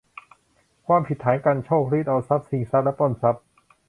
ความผิดฐานกรรโชก รีดเอาทรัพย์ ชิงทรัพย์ และปล้นทรัพย์